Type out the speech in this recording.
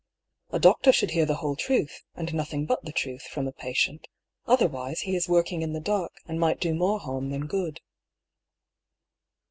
" A doctor should hear the whole truth, and nothing but the truth, from a patient. Otherwise, he is working in the dark, and might do more harm than good."